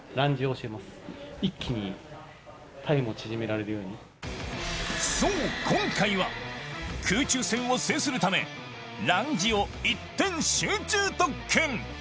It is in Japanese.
するとそう今回は空中戦を制するためランジを一点集中特訓